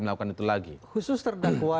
melakukan itu lagi khusus terdakwa